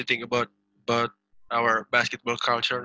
tentang kultur bola basket kita sekarang